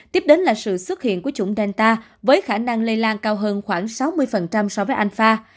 tiếp đến là sự xuất hiện của chủng delta với khả năng lây lan cao hơn khoảng sáu mươi so với anh fa